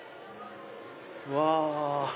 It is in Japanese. うわ！